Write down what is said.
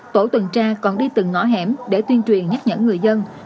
tổ tuần tra còn đi từng ngõ hẻm để tuyên truyền nhắc nhở người dân